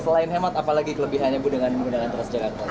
selain hemat apa lagi kelebihannya bu dengan menggunakan transjakarta